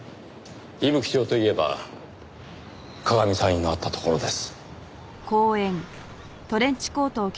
伊吹町といえば鏡見産院のあった所です。